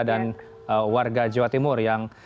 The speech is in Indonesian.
dan warga jawa timur yang